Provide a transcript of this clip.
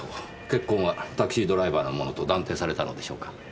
血痕はタクシードライバーのものと断定されたのでしょうか？